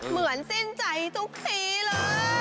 เหมือนสิ้นใจทุกทีเลย